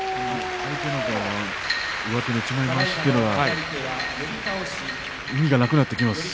相手の一枚まわしというのは意味がなくなってきますね。